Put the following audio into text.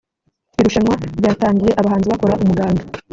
Irushanwa ryatangiye abahanzi bakora umuganda